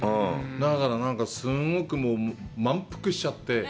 だから、すごく満腹しちゃって。